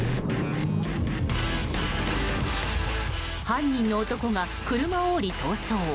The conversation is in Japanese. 犯人の男が車を降り逃走。